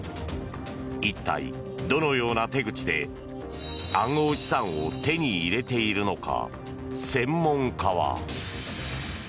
一体どのような手口で暗号資産を手に入れているのか。